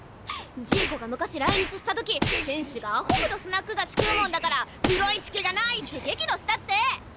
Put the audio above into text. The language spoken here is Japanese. ジーコが昔来日した時選手がアホほどスナック菓子食うもんだからプロ意識がないって激怒したって！